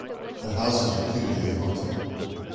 The house is reputedly haunted.